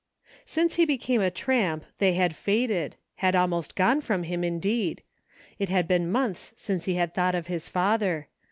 Since he became a tramp they had faded, had almost gone from him, indeed ; it had been months since he had thought of his father.